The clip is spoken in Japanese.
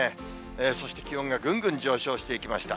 そして気温がぐんぐん上昇していきました。